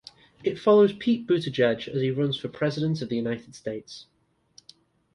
It follows Pete Buttigieg as he runs for President of the United States.